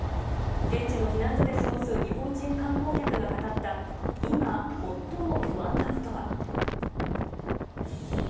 現地の避難所で過ごす日本人観光客が語った今、最も不安なことは。